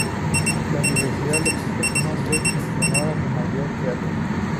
La Universidad le puso su nombre en su honor a su mayor teatro.